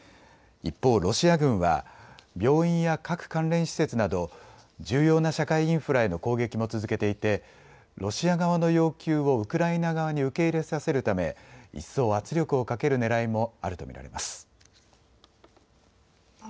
一方、ロシア軍は病院や核関連施設など重要な社会インフラへの攻撃も続けていてロシア側の要求をウクライナ側に受け入れさせるため一層圧力をかけるねらいもあると見られます。